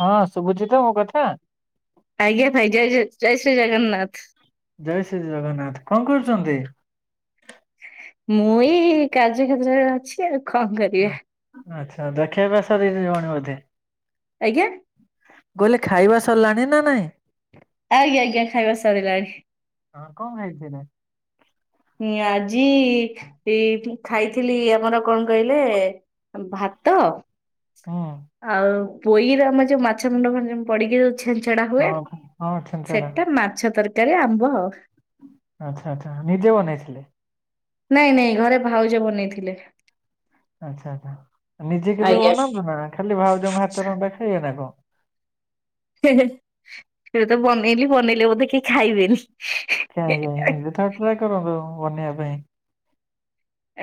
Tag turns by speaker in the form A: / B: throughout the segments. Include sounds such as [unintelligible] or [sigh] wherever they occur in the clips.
A: ହଁ ଶୁଭୁଚି ତ ମୋ କଥା?
B: ଆଜ୍ଞା ଭାଇ, ଜୟ ଜ ଜୟ ଶ୍ରୀ ଜଗନ୍ନାଥ।
A: ଜୟ ଶ୍ରୀଜଗନ୍ନାଥ। କଣ କରୁଚନ୍ତି?
B: ଝିଅ ତ ସାଡେ ଅଛି ଆଉ। କଣ କରିବା।
A: ଆଚ୍ଛା ଆଚ୍ଛା। ଖିଆପିଆ ସରିଯିବଣି ବୋଧେ?
B: ଆଜ୍ଞା?
A: ମୁଁ କହିଲି ଖାଇବା ସରିଲାଣି ନା ନାହିଁ?
B: ଆଜ୍ଞା ଆଜ୍ଞା। ଖାଇବା ସରିଲାଣି।
A: ହଁ କଣ ଖାଇଥିଲେ?
B: ମୁଇଁ ଆଜି, ଏ ଖାଇଥିଲି ଆମର କଣ କହିଲେ ଆମ୍ ଭାତ
A: ହୁଁ
B: ଆଉ ପୋଇର ଆମ ଯୋଉ ମାଛ ମୁଣ୍ଡ ଫାଞ୍ଜ ପଡିକି ଯୋଉ ଛେଞ୍ଚେଡା ହୁଏ,
A: ହଁ ହଁ ଛେଞ୍ଚେଡା
B: ସେଟା ମାଛ ତରକାରୀ, ଆମ୍ବ ଆଉ।
A: ଆଚ୍ଛା ଆଚ୍ଛା। ନିଜେ ବନେଇଥିଲେ?
B: ନାଇଁ ନାଇଁ, ଘରେ ଭାଉଜ ବନେଇଥିଲେ।
A: ଆଚ୍ଛା ଆଚ୍ଛା। ନିଜେ କେବେ
B: ଆଜ୍ଞା।
A: ବନାନ୍ତୁ ନା, ଖାଲି ଭାଉଜଙ୍କ ହାତ ରନ୍ଧା ଖାଇବେ ନା କଣ?
B: ହେ ହେ, କେବେ ତ ବନେଇଲି, ବନେଇଲେ ବୋଧେ କେହି ଖାଇବେନି।
A: କାହିଁ
B: ଏ,
A: ଖାଇବେନି ଥରେ ଟ୍ରାଏ କରନ୍ତୁ ବନେଇବା ପାଇଁ।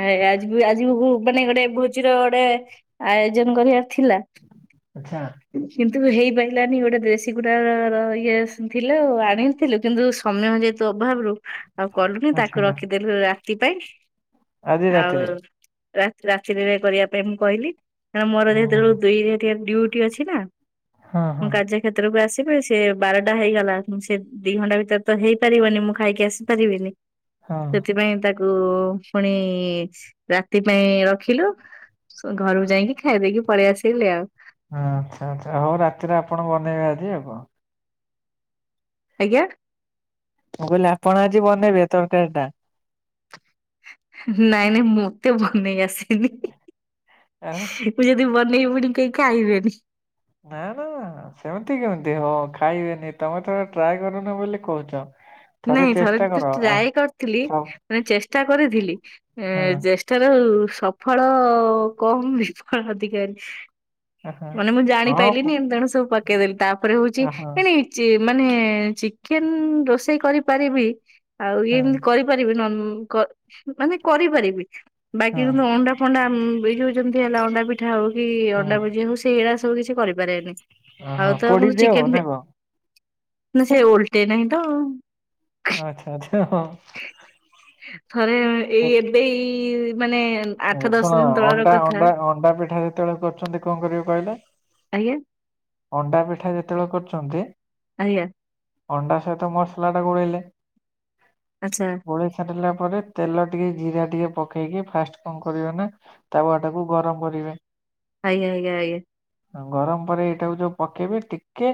B: ଆ-ଆଜି ବି ଆଜି ବି ଭୁ ମାନେ ଗୋଟେ ଭୋଜିିର ଗୋଟେ ଆୟୋଜନ କରିବାର ଥିଲା
A: ଆଚ୍ଛା।
B: ତେବେ ହେଇପାଇଲାନି, ଗୋଟେ ଦେଶୀ କୁଡ଼ାଆର ଇଏ ଥିଲା ଆଉ। ଆଣିିଥିଲୁ କିନ୍ତୁ ସମୟ ଯେହେତୁ ଅଭାବରୁୁ ଆଉ କଲୁନି, ତାକୁ
A: ଆଚ୍ଛା।
B: ରଖିଦେଲୁ ରାତି ପାଇଁ
A: ଆଜି ରାତିରେ?
B: ରା-ରାତିରେରେ କରିବା ପାଇଁ ମୁଁ କହିଲି। କାରଣ ମୋର
A: ହଁ
B: ଯେହେତୁ ଦୁଇ ହେରିଆ ଡ୍ୟୁଟି ଅଛି ନା
A: ହଁ
B: ମୁଁ
A: ହଁ
B: କାର୍ଯ୍ୟକ୍ଷେତ୍ରକୁ ଆସି ସେପାଇ ସେ ବାରଟା ହେଇଗଲା ସେ ଦି ଘଣ୍ଟା ଭିତରେ ତ ହେଇପାରିବନି ମୁଁ ଖାଇକି ଆସିପ ପାରିବିନି।
A: ହଁ।
B: ସେଥିପାଇଁ ତାକୁ ପୁଣି ରାତି ପାଇଁ ରଖିଲୁ। ଘରକୁ ଯାଇକି ଖାଇଦେଇକି ପରେଳେଇ ଆସି ଆଉ।
A: ଆଚ୍ଛା ଆଚ୍ଛା ହଉ ରାତିରେ ଆପଣ ବନେଇବେ ଆଜି ଆଉ କଣ
B: ଆଜ୍ଞା
A: ମୁଁ କହିଲି ଆପଣ ଆଜି ବନେଇବେ ତରକାରୀ ଟା
B: ନାଇଁ ନାଇଁ ମୁଁତେ ବନେଇ ଆସନି
A: ଆଁ
B: ମୁୁ ଯଦି ବନ ବେନଇବା ଏପଟେ କିଏ ଖାଇବେନି।
A: ନା ନା ସେମିତି କେମିତି ହଉ ଖାଇବେନି ତମେ ଥରେ ଟ୍ରାଏ କରୁନ ବୋଲି କହୁଛ।
B: ନାଇଁ ଥରେ
A: ଚେଷ୍ଟା କର ଆ
B: ଟ୍ରାଏ କରିଥିଲି
A: ସବୁ
B: ମାନେ ଚେଷ୍ଟା କରିଥିଲି ଏ
A: ହଁ
B: ଚେଷ୍ଟାରୁ ସଫଳ କମ୍ ବିଫଳ ଅଧିକା ହେଲା।
A: ହଁ।
B: ମାନେ ମୁଁ
A: ହଁ ପୁ
B: ଜାଣିପାରଲିିନି ଏମି ତଣୁ ସବୁ ପକେଇଦେଲି ତାପରେ ହଉଛି
A: ହଁ ହଁ
B: ନାଇଁ ନାଇଁ ଚି ମାନେ ଚିକେନ ରୋଷେଇ କରିପାରିବି ଆଉ
A: ହଁ
B: ଇଏମିତି କରିପାରିବି ନନ ମାନେ କରିପାରିବି। ବାକି କିନ୍ତୁ ଅଣ୍ଡା ଫୋଣ୍ଡା ଏ ଯୋଉ ଯେମିତି ହେଲା ଅଣ୍ଡା ପିଠା ହଉ କି ଅଣ୍ଡା
A: ହଁ
B: ଭୁଜି ହଉ ସେଇଡା ସବୁ କିଛି କରିପାରେନି ଆଉ
A: ହଁ
B: ତ ମୁ
A: ପୋଡିଦିଅ
B: ଚିକେନ୍
A: ନା କଣ?
B: ନା ସେ ଓଲଟେ ନାହିଁ ତ
A: ଆଚଛା ଆଚଛା ହଁ।
B: ଥରେ ଏଇ ଏବେ ହିଁ
A: ଶୁଣ ଅଣ୍ଡା ଅଣ୍ଡା ଅଣ୍ଡା ପିଠା ଯେତେବେଳେ କରୁଛନ୍ତି କଣ କରିବି କହିଲେ।
B: ଆଜ୍ଞା।
A: ଅଣ୍ଡା ପିଠା ଯେତେବେଳେ କରୁଛନ୍ତି।
B: ଆଜ୍ଞା।
A: ଅଣ୍ଡା ସହିତ ମସଲା ଟା ଗୋଳେଇଲେ
B: ଆଚ୍ଛା
A: ଗୋଳେଇ ସରିଲା ତା ପରେରେ ତେଲ ଟିକେ ଜିରା ଟିକେ ପକେଇକି ଫାଷ୍ଟ କଣ କରିବେ ନା ତାୱା ଆ ଟାକୁ ଗରମ କରିବେ।
B: ଆଜ୍ଞା ଆଜ୍ଞା ଆଜ୍ଞା।
A: ଗରମ ପରେ ଏଇଟାକୁ ଯୋଉ ପକେଇବି ଟିକେ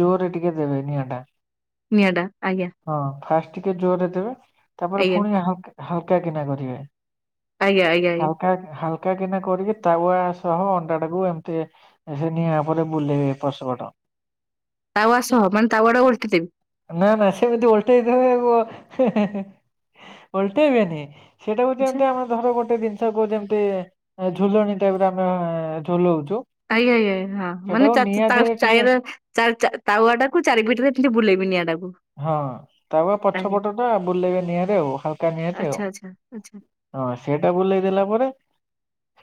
A: ଜୋରରେ ଟିକେ ଦେବେ ନିଆଁ ଟା।
B: ନିଆ ଟା ଆଜ୍ଞା
A: ଟିକେ ଜୋରରେ ଦେବେ ତାପରେ
B: ଆଜ୍ଞା
A: ପୁଣି ହାଲକା କିନା କରିବେ।
B: ଆଜ୍ଞା ଆଜ୍ଞା ଆଜ୍ଞା
A: ହାଲକା ହାଲକା କା କିନା କରିକି ତାୱା ସହ ଅଣ୍ଡା ଟାକୁ ଏମିତି ସେ ନିଆଁ ଉପରେ। ବୁଲେଇବେ ଏପଟ ସେପଟ।
B: ତାୱା ସହ ମାନେ ତାୱା ଟାକୁ ଓଲଟେଇ ଦେବି।
A: ନା ନା ସେମତି ଓଲଟେଇ ଦେବେ ଓଲଟେଇବେନି ସେଇଟା କୁ
B: ଆଚ୍ଛା
A: ଯେମିତି ଆମେ ଧର ଗୋଟେ ଜିନିଷ କୁ ଯେମିତି ଝୁଲଣ ଟାଇପ ରେ ଆମେ ଝୁଲଉଛ।
B: ଆଇ ଆଇ ଆ ହଁ। ମାନେ ଚାର ଚ
A: ଦେହରେ ଟିକେ
B: ଚାଇର ଚାର ଚା ତାୱା ଟାକୁ ଚାରି ପିଟି ରେ ଏମିତି ବୁଲେଇବି ନିଆଁ ଟା।
A: ହଁ ତାୱା ପଛ ପଟ ଟା ବୁଲେଇବେ ନିଆଁରେ ଆଉ ହାଲକା ନିଆଁରେ
B: ଆଚ୍ଛା
A: ଆଉ।
B: ଆଚ୍ଛା ଆଚ୍ଛା
A: ହଁ ସେଇଟା ବୁଲେଇ ଦେଲା ପରେ।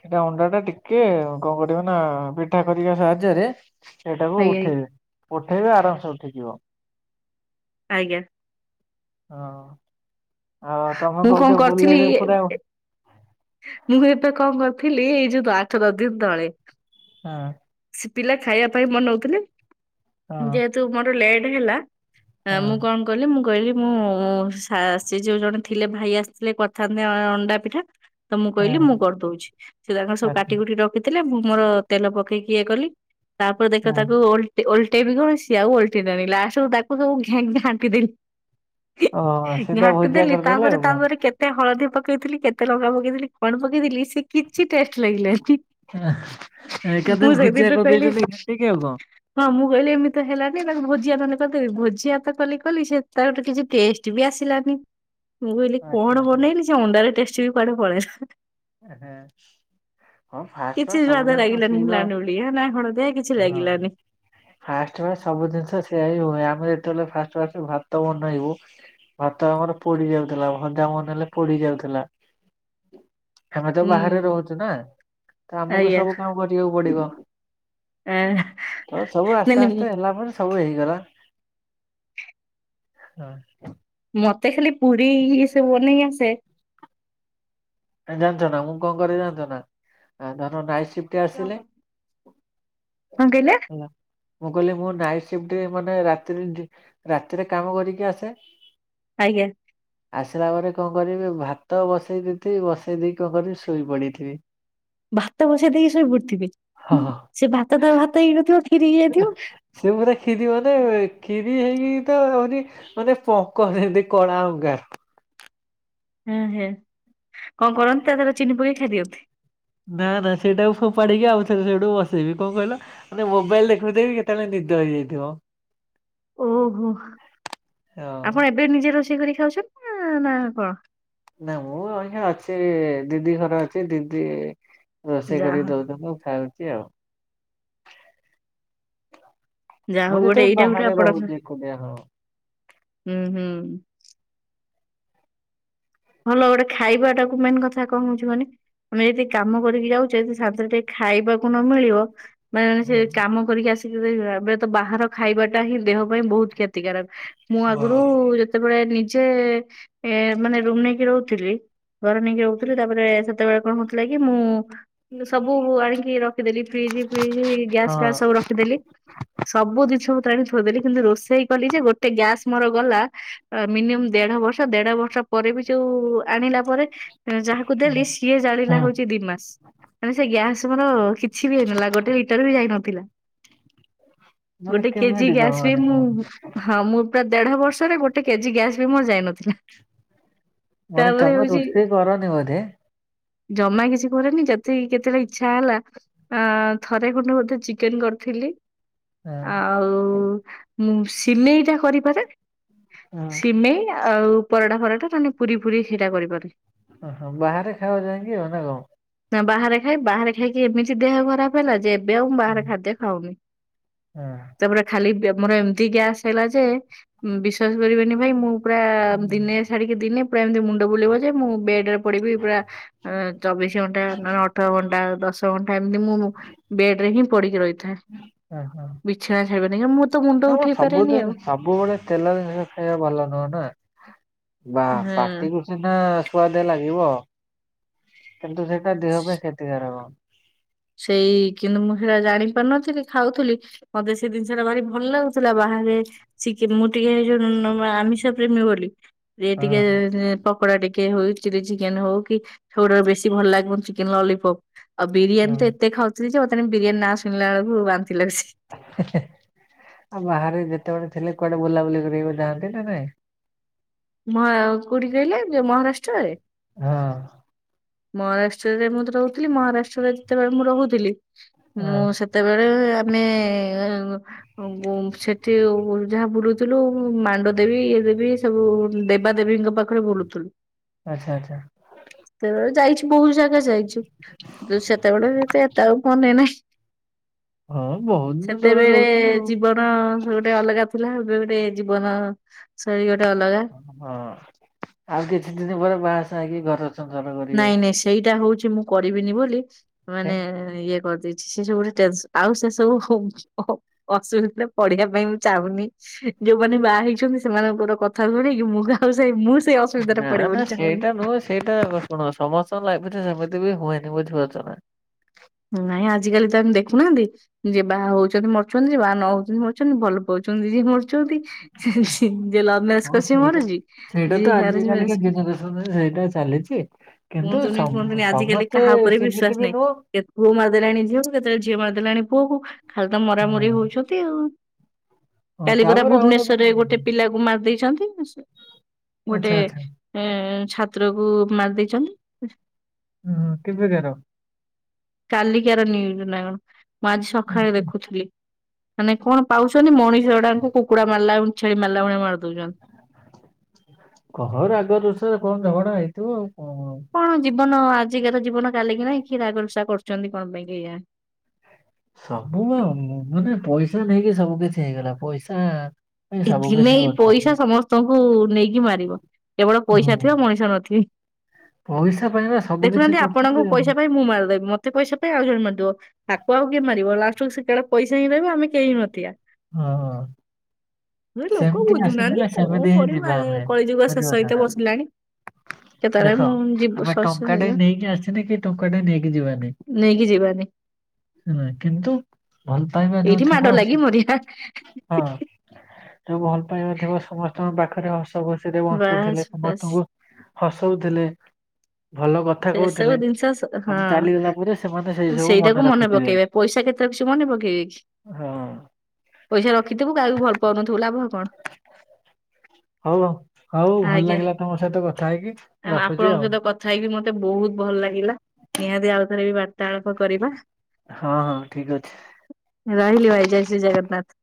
A: ସେଟା ଅଣ୍ଡା ଟା ଟିକେ କଣ କରିବ ନା ପିଠା କରିବା ସାହାଯ୍ୟରେ ସେଇଟାକୁ
B: ଆଜ୍ଞା ଆଜ୍ଞା
A: ଉଠେଇବି ଉଠେଇବେି ଆରାମସେ ଉଠେଇଯିବ।
B: ଆଜ୍ଞା।
A: ହଁ ଆଉ ତମେ
B: ମୁଁ କଣ
A: କହୁଛ
B: କରିଥିଲି
A: ବୁଲେଇବ ପୁରା ଆଉ
B: ମୁଁ ଏବେ କଣ କରିଥିଲି ଏଇ ଯୋଉ ଆଠ ନ ଦିନ ତଳେ।
A: ହଁ।
B: ସେ ପିଲା ଖାଇବା ପାଇଁ ମନଉଥିଲି
A: ହଁ
B: ଯେହେତୁ ମୋର ଲେଟ୍ ହେଲା ହଁ ମୁଁ କଣ କଲି ମୁଁ। କହିଲି ମୁଁ ସେ ଯୋଉ ଜଣେ ଥିଲେ ଭାଇ ଆସିଥିଲେ କରିଥାନ୍ତେ ଅଣ୍ଡା ପିଠା ତ ମୁଁ କହିଲି ମୁଁ କରିଦଉଛି ସେ ତାଙ୍କର
A: ହଁ।
B: ସବୁ କାଟି କୁଟି ରଖିଥିଲେ ମୁଁ ମୋର ତେଲ ପକେଇକି ଇଏ କଲି ତାପରେ ଦେଖ
A: ଆଚ୍ଛା
B: ତାକୁ ଓଲଟେ ଓଲଟେଇ ଟେଇବି କଣ ସିଏ ଆଉ ଓଲଟିଲାନି ଲାଷ୍ଟ ରେ ତାକୁ ସବୁ ତାକୁ ସବୁ ଘାଣ୍ଟିଦେଲି।
A: ଓହୋ ସିଧା
B: ଘାଣ୍ଟି
A: ଭୁଜିଆ
B: ଦେଲି
A: କରିଦେଲେ
B: ତାପରେ
A: ଆଉ କଣ
B: ତାପରେ କେତେ ହଳଦୀ ପ ଥିଲି କେତେ ଲଙ୍କା ପକେଇଥିଲି କଣ ପକେଇଥିଲି ସେ କିଛି ଟେଷ୍ଟ ଲାଗିଲାନି।
A: କେବେ
B: ମୁଁ
A: ଭୁଜିଆ
B: ସେଦିନଠୁ କହିଲି
A: କରିଦେଇଛନ୍ତି ଘାଣ୍ଟିକି ଆଉ? କଣ।
B: ହଁ ମୁଁ କହିଲି ଏମିତି ତ ହେଲାନି ତାକୁ ଭୋଜିଆ ନହେଲେ କରିଦେବି ଭୋ ଜିଆ ତ କଲି କଲି ସେ ତାର ଗୋଟେ କିଛି ଟେଷ୍ଟ ବି ଆସିଲାନି। ମୁଁ କହିଲି
A: ଆଚ୍ଛା
B: କଣ
A: ଆଚ୍ଛା
B: ବନେଇଲି ସେ ଅଣ୍ଡାରେ ଟେଷ୍ଟ ବି କୁଆଡେ ପଳେଇଲା।
A: ଏହେ ହଁ ଫାଷ୍ଟ ତ,
B: କିଛି ସ୍ୱାଦ
A: ସବୁଜିନିଷ
B: ଲାଗିଲାନି
A: ସେଇବା
B: ଲାଣ୍ଡୁଳି ନା ହଳଦିଆ କିଛି
A: ହଁ
B: ଲାଗିଲାନି
A: ଫାଷ୍ଟ ପାଇଁ ସବୁ ଜିନିଷ ସେଇଆ ହିଁ ହୁଏ ଆମେ ଏ ଯେତେବେଳେ ଫାଷ୍ଟ ଫାଷ୍ଟ ଭାତ ବନେଇବୁ ଭାତ ଆମର ପୋଡି ଯାଉଥିଲା ଭଜା ବନେଇଲେ ପୋଡି ଯାଉଥିଲା।
B: [inaudible]
A: ଆମେ ତ ବାହାରେ
B: ହୁଁ
A: ରହୁଛୁ ନା, ତ ଆମକୁ
B: ଆଜ୍ଞା
A: ସବୁ କାମ କରିବାକୁ ପଡିବ।
B: ଆ
A: ତ ସବୁ
B: ନାଇଁ
A: ଆସ୍ତେ
B: ନାଇଁ
A: ଆସ୍ତେ ହେଲା ପରେ ସବୁ ହେଇ ଗଲା ହଁ
B: ମତେ ଖାଲି ପୁରୀ ଇଏସବୁ ବନେଇ ଆସେ।
A: ଜାଣିଛ ନା ମୁଁ କଣ କରେ ଜାଣିଛ ନା ଧର ନାଇଟ ସିପ୍ଟ ଆସିଲେ
B: କଣ କହିଲେ?
A: ହେଲା ମୁଁ କହିଲି ମୁଁ ନାଇଟ ସିଫ୍ଟ ମାନେ ରାତିରେ ଡି ରାତିରେ କାମ କରିକି ଆସେ।
B: ଆଜ୍ଞା।
A: ଆସିଲା ପରେ କଣ କରିବି ଭାତ ବସେଇ ଦେଇଥିବି, ବସେଇ ଦେଇକି କଣ କରିବି ଶୋଇ ପଡିଥିବି।
B: ଭାତ ବସେଇ ଦେଇକି ଶୋଇ ପଡିଥିବେ,
A: ହଁ ହଁ
B: ସେ ଭାତ ତ ଭାତ ହେଇକି ନଥିବ।
A: ସେ ପୁରା କ୍ଷୀରି ବନେଇବେ କ୍ଷୀରି ହେଇକି ତ [unintelligible] ମାନେ ପଙ୍କ ଯେମିତି କଳା ଅଙ୍ଗାର।
B: ହୁଁ ହୁଁ। କଣ କରନ୍ତି ତା ଦେହରେ ଚିନି ପକେଇ ଖାଇଦିଅନ୍ତି?
A: ନା ନା ସେଇଟା ଫୋଫାଡିକି ଆଉ ଥରେ ସେଇଠୁ ବସେଇବି। କଣ କହିଲ ମାନେ ମୋବାଇଲ ଦେଖୁଥିବି କେତେବେଳେ ନି ନିଦ ହେଇଯାଇଥିବ।
B: ଓହୋ
A: ହଁ
B: ଆପଣ ଏବେ ନିଜେ ରୋଷେଇ କରି ଖାଉଛନ୍ତି ନା ନା କଣ?
A: ନା ମୁଁ ଅଇଁଖା ଅଛି ଦିଦି ଘର ଅଛି ଦିଦି ରୋଷେଇ କରି
B: ଯାହା ହଉ
A: ଦଉଥବୁ ମୁଁ ଖାଉଛି ଆଉ
B: ଯାହା
A: ମୁଁ
B: ହଉ ଗୋଟେ
A: ଯେତେବେଳେ
B: ଏଇଟା ଗୋଟେ
A: ବାହାରେ
B: ଆପଣ ହୁଁ
A: ରହୁଛି ଏକୁଟିଆ ହଁ
B: ହୁଁ। ଭଲ ଗୋଟେ ଖାଇବାଟାକୁ ମେନ୍ କଥା କଣ ହଉଛି ମାନେ ଆମେ ଯଦି କାମ କରିକି ଯାଉଚେ ଯଦି ଶାନ୍ତିରେ ଟିକେ ଖା ଖାଇବାକୁ ନ ମିଳିବ ମାନେ ସେ
A: ହଁ।
B: କାମ କରିକି ଆସିକି [unintelligible] ଏବେ ତ ବାହାର ଖାଇବାଟା ହିଁ ଦେହ ପାଇଁ ବହୁତ କ୍ଷତିକାରକ। ମୁଁ
A: ହଁ।
B: ଆଗରୁ ଯେତେବେଳେ ନିଜେ ଏ ମାନେ ରୁମ ନେଇକି ରହୁଥିଲି ଘର ନେଇକି ରହୁଥିଲି ତାପରେ ସେତେବେଳେ କଣ ହଉଥିଲା କି ମୁଁ ସବୁ ଆଣିକି ରଖିଦେଲି ଫ୍ରିଜ ଫ୍ରିଜ ଗ୍ୟାସ
A: ହଁ
B: ଫ୍ୟାସ ସବୁ ରଖିଦେଲି ସବୁ ଜିନିଷ ଥୋଇଦେଲି କିନ୍ତୁ ରୋଷେଇ କଲି ଯେ ଗୋଟେ ଗ୍ୟାସ ମୋର ଗଲା ମିନିମମ୍ ଦେଢ ବର୍ଷ ଦେଢ ବର୍ଷ ପରେ ବି ଯଉ ଆଣିଲା ପରେ ଯାହାକୁ ଦେଲି ସିଏ ଜାଳିଲା
A: ହଁ।
B: ହଉଛି ଦିମାସ। ମାନେ ସେ ଗ୍ୟାସ ମୋର କିଛି ବି ହେଇନଥିଲା ଗୋଟେ ଲିଟର ବି ଯାଇନଥିଲା।
A: ମାନେ
B: ଗୋଟେ କେଜି
A: କେମିତି କଣ
B: ଗ୍ୟାସ ରେ
A: ମାନେ
B: ମୁଁ ହଁ ମୁଁ ପ୍ରାୟ ଦେଢ ବର୍ଷରେ ଗୋଟେ କେଜି ଗ୍ୟାସ ମୋର ଯାଇ ନ ଥିଲା।
A: ମାନେ ତମେ ରୋଷେଇ କରନିି ବୋଧେ?
B: ଜମା କିଛି କରେନି ଯେତିକି କେତେବେଳେ ଇଚ୍ଛା ହେଲା ଅ ଥରେ ଖଣ୍ଡେ ବୋଧେ ଚିକେନ କରି ଥିଲି,
A: ହଁ
B: ଆଉ ମୁଁ ସିମେଇଟା କରିପାରେ।
A: ହଁ
B: ସିମେଇ ଆଉ ପରଟା ଫରଟା ନ ହେଲେ ପୁରୀ ଫୁରୀ ସେଇଟା କରିପାରୁଚି।
A: ହଁ ହଁ ବାହାରେ ଖାଅ ଯାଇଁକି ଆଉ ନା କଣ?
B: ନା ବାହାରେ ଖାଇ ବାହାରେ ଖାଇକି ଏମିତି ଦେହ ଖରାପ ହେଲା ଯେ ଏବେ ଆଉ ମୁଁ ବାହାରେ ଖାଦ୍ୟ ଖାଉନି।
A: ହୁଁ
B: ତାପରେ ଖାଲି ବ୍ୟ ମୋର ଏମିତି ଗ୍ୟାସ ହେଲା ଯେ ବିଶ୍ଵାସ କରିବେନି ଭାଇ ମୁଁ ପୁରା ଦିନେ ଛାଡିକି ଦିନେ ପୁରା ମୁଣ୍ଡ ବୁଲେଇବ ଯେ ମୁଁ ବେଡରେ ପଡିବି ପୁରା ଚବିଶି ଘଣ୍ଟା ନହେଲେ ଅଠର ଘ ଆଉ ଦଶ ଘଣ୍ଟା ଏମିତି ମୁଁ ବେଡରେ ହିଁ ପଡିକି ରହିଥାଏ। ବିଛଣା [unintelligible] ମୁଁ ତ ମୁଣ୍ଡ
A: ହ
B: ଉଠେଇ
A: ସବୁ
B: ପାରେନି
A: ଜିନ
B: ଆଉ
A: ସବୁବେଳେ ତେଲ ଜିନିଷ ଖାଇବା ଭଲ ନୁହେଁ ନା ବା
B: ହୁଁ।
A: ପାଟିକୁ ସ ନା ସୁଆଦ ଲାଗିବ କିନ୍ତୁ ସେଇଟା ଦେହ ପାଇଁ କ୍ଷତିକାରକ
B: ସେଇ କିନ୍ତୁ ମୁଁ ସେଇଟା ଜାଣି ପାରୁନଥିଲି ଖାଉଥିଲି ମତେ ସେଇ ଜିନିଷ ଟା ଭାରି ଭଲ ଲାଗୁଥିଲା ବାହ ରେ ମୁଁ ଟିକେ ଆମିଷ ପ୍ରେମୀ ବୋଲି
A: ହଁ
B: ଟିକେ କକୋଡା ଟିକେ ହଉ ଚିଲି ଚିକେନ ହଉ କି ସେଟା ବେଶୀ ଭଲ ଲାଗିବ ଚିକେନ ଲଲିପପ ଆଉ ବିରିୟାନୀ
A: ହଁ
B: ତ ଏତେ ଖାଉଥିଲ ଯେ ମତେ ବିରିୟାନୀ ନା ଶୁିଲା ବେଳକୁ ବାନ୍ଧ ଲ
A: ଆଉ ବାହାରେ ଯେତେବେଳେ ଥିଲେ କୁଆଡେ ବୁଲାବୁଲି କରିବାକୁ ଯାଆନ୍ତି ନା ନାଇଁ
B: ମ କୋଉଠି କହିଲେ ମହାରାଷ୍ଟ୍ରରେ
A: ହଁ
B: ମହାରାଷ୍ଟ୍ରରେ ମୁଁ ରହୁଥିଲି ମହାରାଷ୍ଟ୍ରରେ ଯେତେବେଳେ ମୁଁ ରହୁଥିଲି ମୁଁ
A: ହଁ
B: ସେତେବେଳେ ଆମେ ସେଠି ଯାହା ବୁଲୁଥିଲୁ ମାଣ୍ଡ ଦେବି ଦେବୀ ସବୁ ଦେବା ଦେେବୀଙ୍କ ପାଖରେ ବୁଲୁଥିଲୁ
A: ଆଚ୍ଛା ଆଚ୍ଛା
B: ସେତେବେଳେ ଯାଇଛି ବହୁତ ଜାଗା ଯାଇଛୁ। ସେତେବେଳେ ଏତେ ଏତେ ଆଉ ମନେ ନାହିଁ
A: ହଁ ବହୁତ ଦିନ ତଳେ
B: ସେତେବେଳେ
A: ରହୁଥିଲି ଆଉ।
B: ଜୀବନ ଗୋଟେ ଅଲଗା ଥିଲା ଏବେ ଗୋେ ଜୀବନ ଶୈଳୀ ଗୋଟେ ଅଲଗା
A: ହଁ ଆଉ କିଛି ଦିନ ପରେ ବାହା ସାକ ଘର ସଂସାର କରିବେ।
B: ନାଇଁ ନାଇଁ ସେଇଟା ହଉଛି ମୁଁ କରିବିନି ବୋଲି
A: ହେ
B: ମାନେ ଇଏ କରି ସେ ସବୁ ଗୋେ ଆଉ ସେ ସବୁ ଅସୁବିଧା ପଢିବା ପାଇଁ ମୁଁ ଚାହୁନି ଯୋଉମାନେ ବାହା ହେଇଛନ୍ତି ସେମାନଙ୍କର କଥା ଶୁଣକି ମୁଁ କାଉ ସେ ମୁଁ ସେଇ ଅସୁବିଧାରେ
A: ନା
B: ପଡେ
A: ନା
B: ବୋଲି ଚାହୁଁନି
A: ସେଇଟା ନୁହଁ ସେଇଟା କଣ ସମସ୍ତଙ୍କ ଲାଇଫ ରେ ସେମିତି ବି ହୁଏନି ବୁଝିପାରୁଛ ନା
B: ନାଇଁ ଆଜିକାଲି ତ ଆମେ ଦେଖୁନାହାନ୍ତି ଯେ ବାହା ହଉଛନ୍ତି ମାରୁଛନ୍ତି ଯେ ବାହା ନ ହଉଛନ୍ତି ମାରୁଛନ୍ତି ଭଲ ପାଉଛନ୍ତି ଛନ୍ତି ଯ ମରଛନ୍ତି ଯେ ଲାଭ ମ୍ୟାରେଜ
A: ହଁ
B: କରଛି
A: ସେଇଟା
B: ମରଛି
A: ସେଇଟା
B: ଯଜ ମଜ କର
A: ବଛି
B: କୁହନ୍ତୁନି କୁହନ୍ତୁି ଆଜିିକାଲିା ଉପରେ
A: ସେମିତି
B: ବିଶ୍ୱାସ
A: ବି
B: ନାହିଁ
A: ନୁହଁ
B: କେ ପୁଅ ମାରଦେଲାଣି ଝଅକୁ କେତେବେଳେ ଝିଅ ମାରଦେଲାଣି ପୁଅ ଖାଲି ତ ମରାମରି
A: ହଁ
B: ହଉଛନ୍ତି ଆଉ
A: ହଁ,
B: କାଲିଗରା
A: ତାପରେ ଆଉ ଗୋଟେ
B: ଭୁବନେଶ୍ଵରରେ ଗୋଟେ
A: ଜିନିଷ-
B: ପିଲାକୁ ମାରି ଦେଇେଇଛନ୍ତି ଗୋଟେ
A: ଆଚ୍ଛା ଆଚ୍ଛା
B: ଛାତ୍ରକୁ ମାରି ଦେଇେଇଛନ୍ତି
A: ହୁଁ ହ କେବେ ଯ
B: କାଲିକାର ନିୁଜ ନା କଣ ମୁଁ ଆଜି ସକାଳେ ଦେଖୁଥିଲି ମାନେ କଣ ପାଉଛନ୍ତି ମଣିଷଡାଙ୍କୁ କୁକୁଡା ମାଲା ଛେଳି ମାଲାଉଣିଆ ମାର
A: କହର ଆଗ ରୋଷରେ କଣ ଝଗଣା ହେଇଥିବ ଆଉ
B: କଣ ଜୀବନ ଆ ଆଜିକା ତ ଜୀବନ କାଲି କି ନାଇ କି ରାଗଲସା କରୁଛନ୍ତି କଣ ପାଇଁ କି ଏଇୟା
A: ସବୁ ମାନେ ପଇସା ନେଇକି ସବୁ କିଛି ହେଇଗଲା ପଇସା ପାଇଁ
B: ଏ
A: ସବୁ
B: ଦିନେ
A: କିଛି
B: ଏଇ
A: କରୁଛନ୍ତି
B: ପଇସା ସମସ୍ତଙ୍କୁ ନେଇକି ମାରିବ କେବଳ ପଇସା
A: ହଁ,
B: ଥିବ ମଣିଷ ନଥିବେ
A: ପଇସା ପାଇଁ ବା ସବୁ କିଛି
B: ଦେଖୁନାହାନ୍ତି ଆପଣଙ୍କୁ
A: କରୁଛନ୍ତି ଆଉ
B: ପଇସା ପାଇଁ ମୁଁ ମାରିଦେବି ମତେ ମତେ ପଇସା ପାଇଁ ଆଉ ଜଣ ମାରିିବ ତାକୁ ଆଉ କିଏ ମାରିବ ଲଷ୍ଟକୁ ସେେଟେ ପଇସା ହିଁ ରହିବ ଆମେ କେହି ହି ନଥିବା
A: ହଁ ହଁ
B: ଏ ଲୋକ
A: ସେମିତି
B: ବୁଝୁନାହାନ୍ତି
A: ଆସିଥିଲେ
B: କଣ
A: ସେମିତି ହିଁ
B: କରିବୁ ଆ
A: ଯିବା ଆମେ
B: କଳିଯୁଗ ଶେଷ
A: ବୁଝିପଥା
B: ହେଇତେ
A: ନା
B: ବସିଲାଣି। କେତେବେଳେ
A: ଦେଖ
B: ମୁଁ ଯିବୁ
A: ଆମେ
B: ଶସ୍ୟ
A: ଟଙ୍କା ଟା
B: ହେରିକା
A: ନେଇକି ଆସିନି କି ଟଙ୍କା ଟା ନେଇକି ଯିବାନି
B: ହ
A: ନାଇ କିନ୍ତୁ ଭଲ ପାଇବା ଯୋଉ
B: ଏଇଠି ମାଡ
A: ଥିବ
B: ଲାଗି
A: ସେ
B: ମରିବା।
A: ହଁ ଯୋଉ ଭଲ ପାଇବା ଥିବ ସମସ୍ତଙ୍କ ପାଖରେ ହସ୍ ଓ ଖୁସିରେ
B: ବାସ୍
A: ବଞ୍ଚୁଥିଲେ
B: ବାସ୍।
A: ସମସ୍ତଙ୍କୁ ହସୋଉଥିଲେ।
B: ସେସବୁ ଦିନଷ ସ ହଁ
A: ଚାଲିଗଲା ପରେ ସେମାନେ ସେଇ ସବୁ
B: ସେଇଟାକୁ ମନେ
A: ରଖିଥିବେ
B: ପକେଇବେ ପଇସା କେତେ ସେ ମନେ ପକେଇବେ କି?
A: ହଁ।
B: ପଇସା ରଖିଥିବୁ କହାକୁ ଭଲ ପାଉନଥିବୁ ଲାଭ କଣ।
A: ହୋଉ ଅ ହୋଉ ଭଲ
B: ଆଜ୍ଞା।
A: ଲାଗିଲା ତମ ସହିତ କଥା ହେଇକି ରଖୁଚି
B: ଆପଣଙ୍କ
A: ଆଉ।
B: ସହିତ କଥା ହେଇକି ମତେ ବୋହୁତ ଭଲ ଲାଗିଲା ନିହାତି ଆଉଥରେ ବି ବାର୍ତ୍ତାଳାପ କରିବା।
A: ହଁ ହଁ ଠିକ ଅଛି।
B: ରହିଲି ଭାଇ ଜୟ ଶ୍ରୀ ଜଗନ୍ନାଥ।